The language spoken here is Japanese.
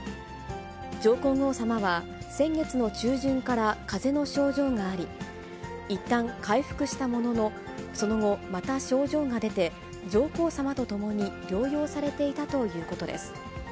上皇后さまは、先月の中旬からかぜの症状があり、いったん回復したものの、その後、また症状が出て、上皇さまと共に療養されていたということです。